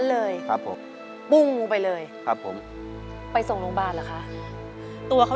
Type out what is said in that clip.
เปลี่ยนเพลงเพลงเก่งของคุณและข้ามผิดได้๑คำ